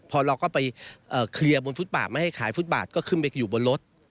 พอเราก็ไปเคลียร์บนฟุตบาทไม่ให้ขายฟุตบาทก็ขึ้นไปอยู่บนรถ